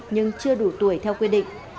nhưng chưa đủ tuổi theo quy định